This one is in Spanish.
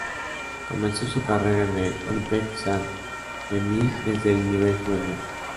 Comenzó su carrera en el Olympique Saint-Memmie desde el nivel juvenil.